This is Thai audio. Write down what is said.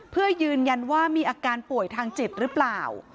เพื่อยืนยันว่ามีอาการป่วยทางจิตหรือเปล่า